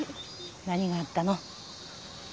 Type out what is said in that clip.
何があったの？